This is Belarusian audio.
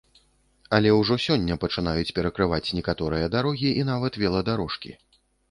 Але ўжо сёння пачынаюць перакрываць некаторыя дарогі і нават веладарожкі.